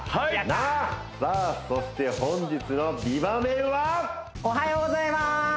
なっさあそして本日の美バメンはおはようございます